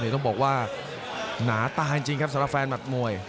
ต้องบอกว่าหนาตาจริงครับสำหรับแฟนหมัดมวย